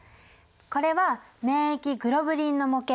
これは免疫グロブリンの模型。